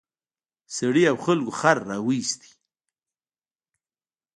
سړي او خلکو خر راوویست.